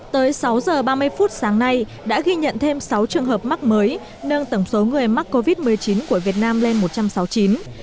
tới sáu giờ ba mươi phút sáng nay đã ghi nhận thêm sáu trường hợp mắc mới nâng tổng số người mắc covid một mươi chín của việt nam lên một trăm sáu mươi chín